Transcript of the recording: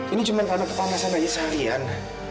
ini cuma karena kepanasan aja seharian